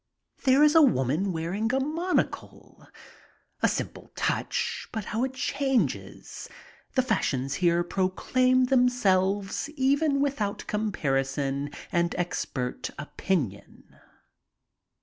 There is a woman wearing a monocle. A simple touch, but how it changes ! The fashions here proclaim themselves even without comparison and expert opinion.